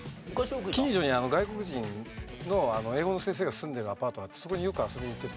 近所に外国人の英語の先生が住んでるアパートがあってそこによく遊びに行ってて。